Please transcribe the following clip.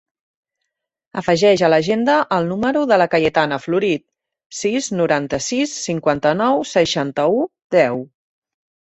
Afegeix a l'agenda el número de la Cayetana Florit: sis, noranta-sis, cinquanta-nou, seixanta-u, deu.